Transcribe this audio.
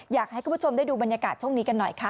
อยากให้คุณผู้ชมได้ดูบรรยากาศช่วงนี้กันหน่อยค่ะ